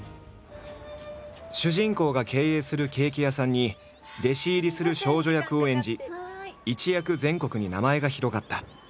主人公が経営するケーキ屋さんに弟子入りする少女役を演じ一躍全国に名前が広がった。